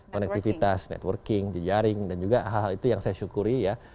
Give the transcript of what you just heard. konektivitas networking jejaring dan juga hal hal itu yang saya syukuri ya